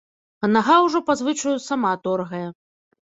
А нага ўжо па звычаю сама торгае.